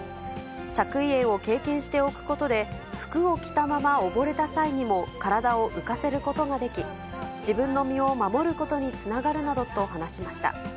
着衣泳を経験しておくことで、服を着たまま溺れた際にも、体を浮かせることができ、自分の身を守ることにつながるなどと話しました。